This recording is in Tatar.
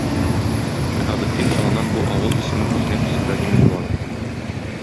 Шиһабетдин соңыннан бу авыл исемен үзенә псевдоним итеп ала.